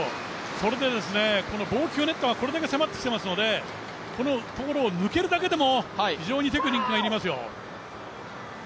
それでこの防球ネットがこれだけ迫ってきていますので、このところを抜けるだけでも非常にテクニックがいりますよ。